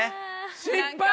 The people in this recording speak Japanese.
失敗！